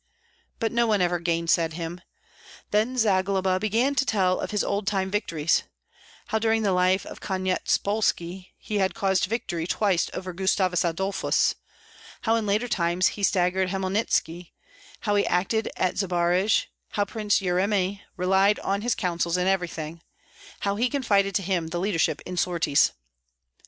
But no one ever gainsaid him. Then Zagloba began to tell of his old time victories, how during the life of Konyetspolski he had caused victory twice over Gustavus Adolphus, how in later times he staggered Hmelnitski, how he acted at Zbaraj, how Prince Yeremi relied on his counsels in everything, how he confided to him the leadership in sorties.